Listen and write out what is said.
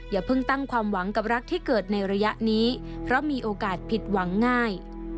อย่าเพิ่งตั้งความหวังกับรักที่เกิดในระยะนี้เพราะมีโอกาสผิดหวังง่าย